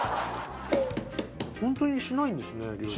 本当にしないんですね料理。